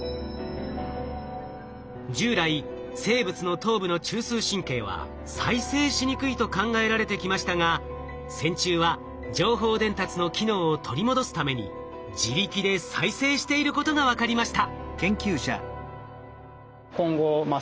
従来生物の頭部の中枢神経は再生しにくいと考えられてきましたが線虫は情報伝達の機能を取り戻すために自力で再生していることが分かりました。